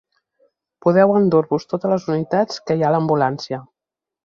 Podeu endur-vos totes les unitats que hi ha a l'ambulància